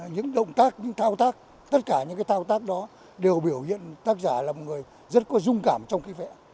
những động tác những thao tác tất cả những cái thao tác đó đều biểu hiện tác giả là một người rất có dung cảm trong cái vẽ